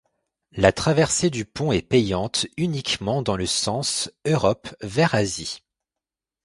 La traversée du pont est payante uniquement dans le sens Europe vers Asie.